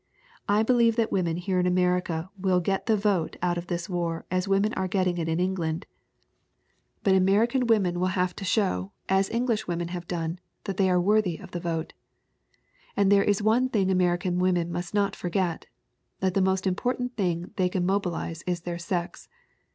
I believe that women here in America will get the vote out of this war as women are getting it in England, but American women will have to show, HONORE WILLSIE 355 as English women have done, that they are worthy of the vote. "And there is one thing American women must not forget that the most important thing they can mo bilize is their sex.